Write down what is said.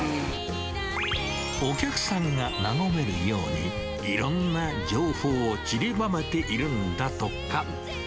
お客さんが和めるように、いろんな情報をちりばめているんだとか。